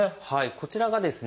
こちらがですね